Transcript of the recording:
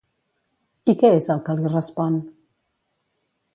I què és el que li respon?